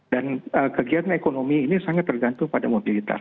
dan kegiatan ekonomi ini sangat tergantung pada mobilitas